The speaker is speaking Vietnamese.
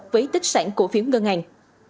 với tích sản cổ phiếu ngân hàng